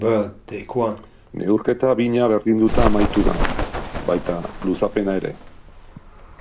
Neurketa bina berdinduta amaitu da, baita luzapena ere.